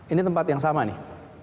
ini tempat yang sama nih